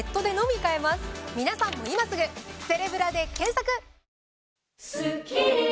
皆さんも今すぐセレブラで検索！